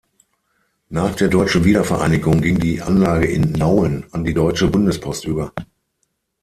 Nach der deutschen Wiedervereinigung ging die Anlage in Nauen an die Deutsche Bundespost über.